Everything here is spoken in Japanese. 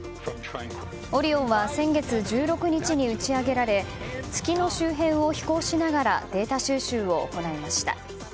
「オリオン」は先月１６日に打ち上げられ月の周辺を飛行しながらデータ収集を行いました。